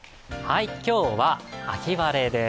今日は秋晴れです。